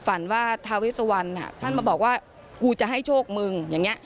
ฝันว่าทาเวสวันท่านมาบอกว่ากูจะให้โชคมึงอย่างนี้